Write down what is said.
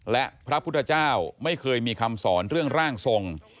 และพระพุทธเจ้าไม่เคยมีคำสอนเรื่องร่างทรง